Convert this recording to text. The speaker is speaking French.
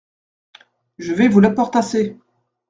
Je vais vous l’apportasser !